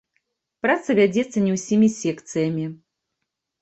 Праца вядзецца не ўсімі секцыямі.